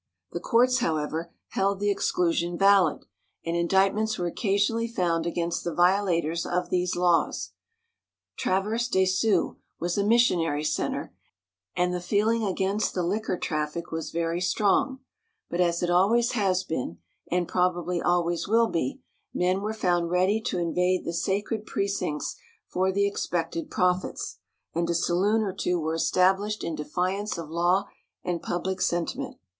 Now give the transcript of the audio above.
The courts, however, held the exclusion valid, and indictments were occasionally found against the violators of these laws. Traverse des Sioux was a missionary center, and the feeling against the liquor traffic was very strong, but, as it always has been, and probably always will be, men were found ready to invade the sacred precincts for the expected profits, and a saloon or two were established in defiance of law and public sentiment.